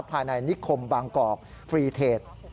ภายในนิคมบางกอกฟรีเทจ